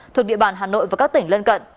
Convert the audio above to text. thuộc địa bàn hà nội và các tỉnh lân cận